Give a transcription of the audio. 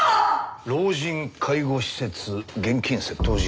「老人介護施設現金窃盗事件」